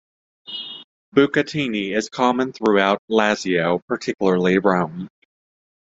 Bucatini is common throughout Lazio, particularly Rome.